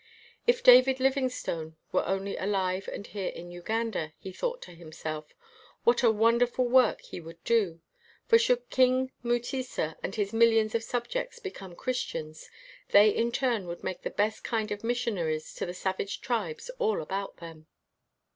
"If David Living stone were only alive and here in Uganda," he thought to himself, "what a wonderful work he would do. For should king Mutesa and his millions of subjects become Chris tians they in turn would make the best kind of missionaries to the savage tribes all about them.